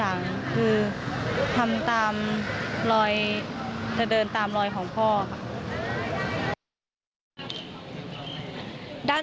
ดิใจมาก